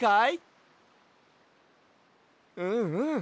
うんうん。